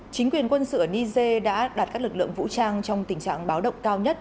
chính quyền quân sự ở niger đã đặt các lực lượng vũ trang trong tình trạng báo động cao nhất